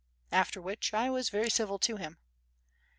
After which I was very civil to him.